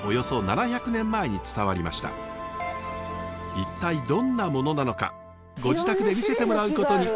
一体どんなものなのかご自宅で見せてもらうことに。